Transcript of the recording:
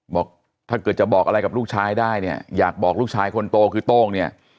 บอกถ้าเกิดจะบอกอะไรกับลูกชายได้เนี่ยอยากบอกลูกชายคนโตคือโต้งเนี่ย